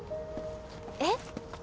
えっ？